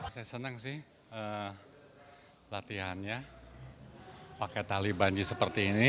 saya senang sih latihannya pakai tali banjir seperti ini